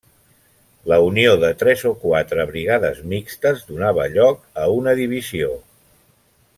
La unió de tres o quatre brigades mixtes donava lloc a una divisió.